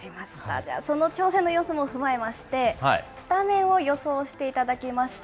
じゃあ、その調整の様子も踏まえまして、スタメンを予想していただきました。